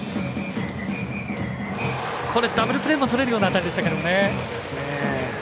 ダブルプレーもとれるような当たりでしたけどね。